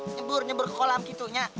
nyembur nyembur ke kolam gitu ya